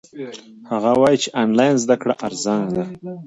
هغه وایي چې آنلاین زده کړه ارزانه ده.